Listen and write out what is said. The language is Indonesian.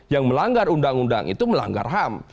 yang melanggar undang undang itu melanggar ham